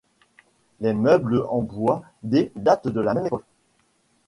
Les meubles en bois d' datent de la même époque.